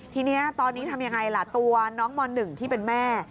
ทีนี้ตอนนี้ทำยังไงล่ะตัวน้องม๑ที่เป็นแม่